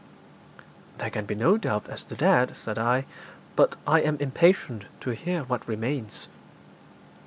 'There can be no doubt as to that,' said I; 'but I am impatient to hear what remains.'